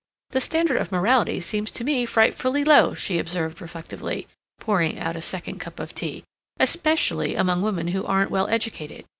"The standard of morality seems to me frightfully low," she observed reflectively, pouring out a second cup of tea, "especially among women who aren't well educated.